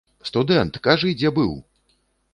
Студэнт, кажы, дзе быў?